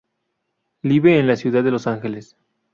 Live en la ciudad de Los Ángeles.